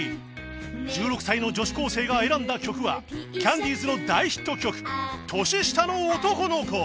１６歳の女子高生が選んだ曲はキャンディーズの大ヒット曲『年下の男の子』